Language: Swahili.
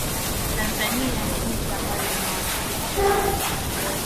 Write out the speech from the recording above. Tanzania ni nchi ambayo ina washirika wengi